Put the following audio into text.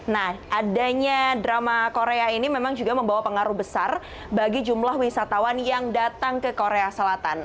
nah adanya drama korea ini memang juga membawa pengaruh besar bagi jumlah wisatawan yang datang ke korea selatan